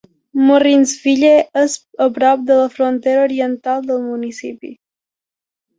Murrinsville és a prop de la frontera oriental del municipi.